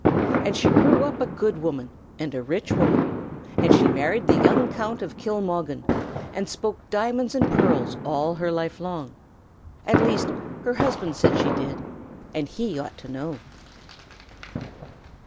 And she grew up a good woman and a rich woman; and she married the young Count of Kilmoggan, and spoke diamonds and pearls all her life long, at least her husband said she did, and he ought to know.